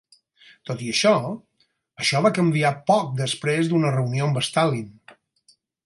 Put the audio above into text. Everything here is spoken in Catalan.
Tot i això, això va canviar poc després d'una reunió amb Stalin.